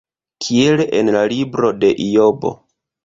Kiel en la libro de Ijob.